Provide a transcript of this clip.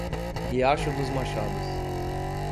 Riacho dos Machados